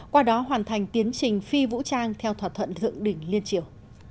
qua đó hoàn thành tiến trình phi vũ trang theo thỏa thuận thượng đỉnh liên triều